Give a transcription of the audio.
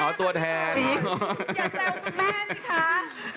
อย่าแซวคุณแม่สิค่ะ